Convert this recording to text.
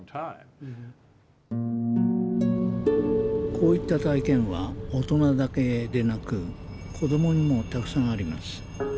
こういった体験は大人だけでなく子どもにもたくさんあります。